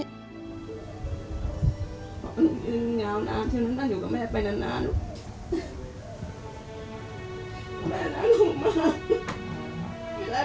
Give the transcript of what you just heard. เดี๋ยวลูกจับแม่ที่แล้วแม่ไม่อยาก